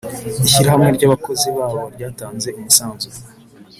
ishyirahamwe ry abakozi babo ryatanze umusanzu